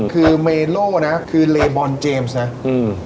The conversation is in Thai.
คือเมโลนะคือเลบอลเจมส์นะอืม